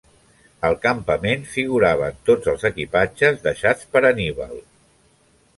Al campament figuraven tots els equipatges deixats per Anníbal.